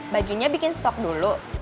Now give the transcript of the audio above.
bajunya bikin stok dulu